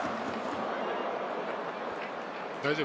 大丈夫？